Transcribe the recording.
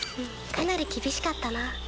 かなり厳しかったな